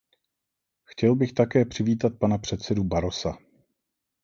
Chtěl bych také přivítat pana předsedu Barrosa.